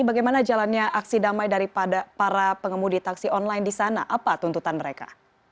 bagaimana jalannya aksi damai dari para pengemudi taksi online di sana apa tuntutan mereka